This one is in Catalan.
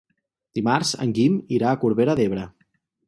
Dimarts en Guim irà a Corbera d'Ebre.